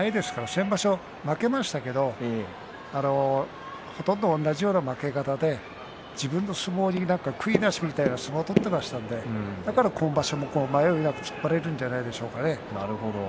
先場所、負けましたけどほとんど同じような負け方で自分の相撲に悔いなしみたいな相撲を取っていましたので今場所も迷いなく突っ張れるんじゃないですか。